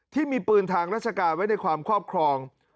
ที่มีปืนทางราชการไว้ในความครอบครอง